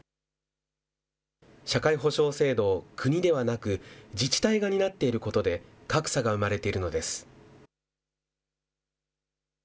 社会保障制度を国ではなく、自治体が担っていることで、格差が生まれているのです。